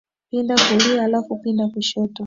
Pinda kulia, halafu pinda kushoto.